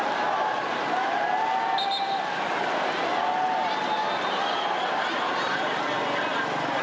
สวัสดีครับสวัสดีครับ